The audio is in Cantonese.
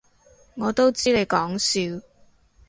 我都知你講笑